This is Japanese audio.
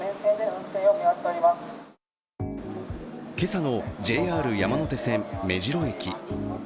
今朝のＪＲ山手線・目白駅。